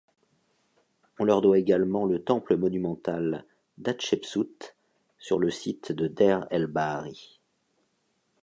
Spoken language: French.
On leur doit également le temple monumental d'Hatchepsout sur le site de Deir el-Bahari.